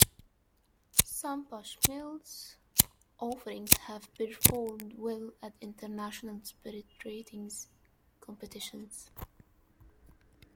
Some Bushmills offerings have performed well at international Spirit ratings competitions.